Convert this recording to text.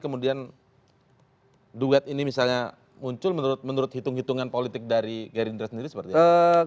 kemudian duet ini misalnya muncul menurut hitung hitungan politik dari gerindra sendiri seperti apa